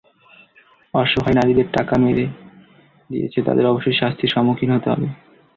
অসহায় নারীদের টাকা যারা মেরে দিয়েছে, তাদের অবশ্যই শাস্তির মুখোমুখি হতে হবে।